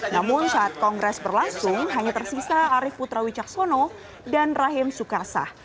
namun saat kongres berlangsung hanya tersisa arief putrawi caksono dan rahim sukarsah